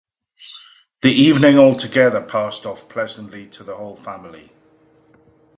The evening altogether passed off pleasantly to the whole family.